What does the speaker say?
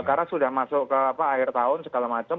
karena sudah masuk ke akhir tahun segala macam